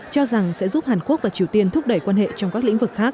cho rằng sẽ giúp hàn quốc và triều tiên thúc đẩy quan hệ trong các lĩnh vực khác